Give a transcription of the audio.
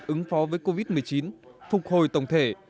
ứng phó với covid một mươi chín phục hồi tổng thể